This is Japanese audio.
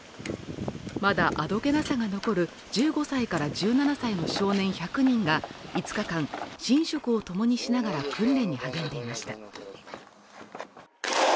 まだあどけなさが残る１５歳から１７歳の少年１００人が５日間寝食を共にしながら訓練に励んでいました